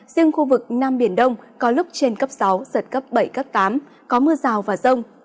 riêng khu vực nam biển đông có lúc trên cấp sáu giật cấp bảy cấp tám có mưa rào và rông